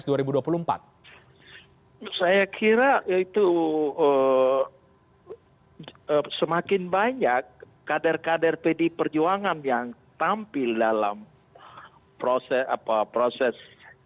saya kira itu semakin banyak kader kader pdi perjuangan yang tampil dalam proses